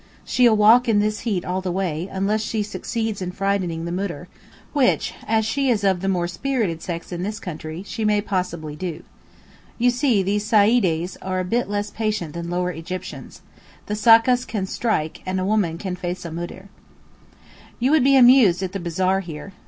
She'll walk in this heat all the way, unless she succeeds in frightening the Moudir, which, as she is of the more spirited sex in this country, she may possibly do. You see these Saeedes are a bit less patient than Lower Egyptians. The sakkas can strike, and a woman can face a Moudir. You would be amused at the bazaar here.